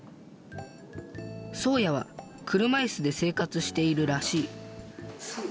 そうやは車いすで生活しているらしい。